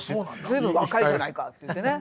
随分若いじゃないかって言ってね。